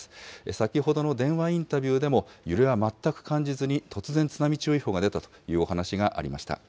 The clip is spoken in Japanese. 先ほどの電話インタビューでも、揺れは全く感じずに、突然津波注意報が出たというお話がありました。